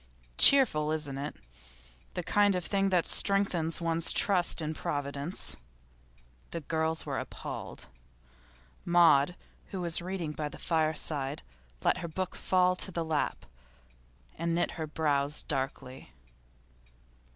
'Cheerful, isn't it? The kind of thing that strengthens one's trust in Providence.' The girls were appalled. Maud, who was reading by the fireside, let her book fall to her lap, and knit her brows darkly.